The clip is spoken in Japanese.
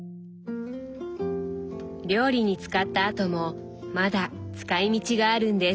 料理に使ったあともまだ使いみちがあるんです。